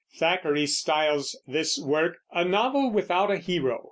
Thackeray styles this work "a novel without a hero."